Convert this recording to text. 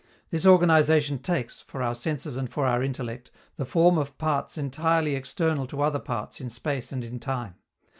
This organization takes, for our senses and for our intellect, the form of parts entirely external to other parts in space and in time.